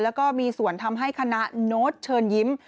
แล้วก็มีส่วนทำให้คณะโน้ตเชิญยิ้ม